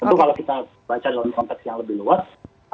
tentu kalau kita baca dalam konteks yang lebih luas